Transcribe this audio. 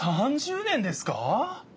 ３０年ですか！？